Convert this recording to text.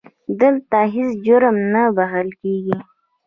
دلته هیڅ جرم نه بښل کېږي.